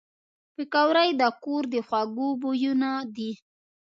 پکورې د کور د خوږو بویونه دي